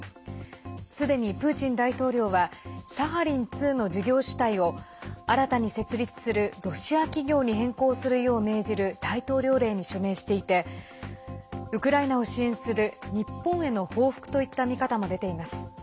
すでにプーチン大統領はサハリン２の事業主体を新たに設立するロシア企業に変更するよう命じる大統領令に署名していてウクライナを支援する日本への報復といった見方も出ています。